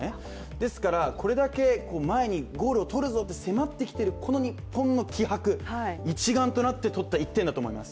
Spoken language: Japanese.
ですから、これだけ前にゴールとるぞと迫ってきている日本の気迫、一丸となって取った１点だと思います。